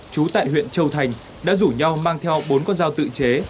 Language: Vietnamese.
chú tại huyện châu thành đã rủ nhau mang theo bốn con dao tự chế